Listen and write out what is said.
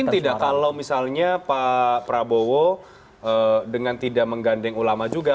mungkin tidak kalau misalnya pak prabowo dengan tidak menggandeng ulama juga